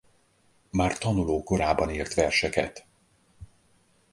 Már tanuló korában írt verseket.